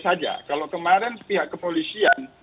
saja kalau kemarin pihak kepolisian